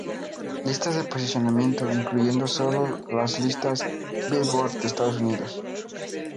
Listas de posicionamiento incluyendo solo las listas Billboard de Estados Unidos.